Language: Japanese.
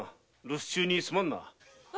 留守の間にすまんな。